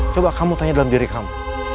coba kamu tanya dalam diri kamu